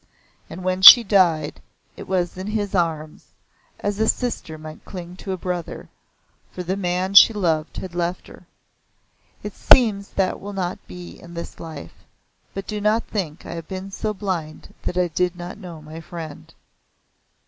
And when she died, it was in his arms, as a sister might cling to a brother, for the man she loved had left her. It seems that will not be in this life, but do not think I have been so blind that I did not know my friend."